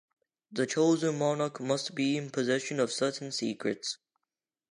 The chosen monarch must be in possession of certain secrets.